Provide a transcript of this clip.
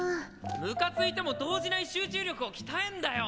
ムカついても動じない集中力を鍛えんだよ！